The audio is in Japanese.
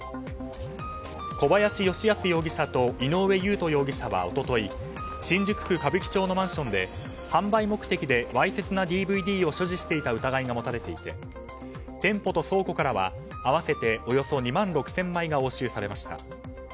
小林慶康容疑者と井上雄翔容疑者は一昨日新宿区歌舞伎町のマンションで販売目的でわいせつなＤＶＤを所持していた疑いが持たれていて店舗と倉庫からは合わせておよそ２万６０００枚が押収されました。